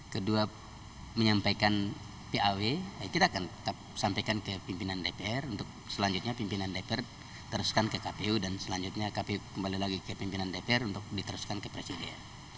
kedua menyampaikan paw kita akan tetap sampaikan ke pimpinan dpr untuk selanjutnya pimpinan dpr teruskan ke kpu dan selanjutnya kpu kembali lagi ke pimpinan dpr untuk diteruskan ke presiden